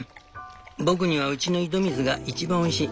僕にはうちの井戸水が一番おいしい。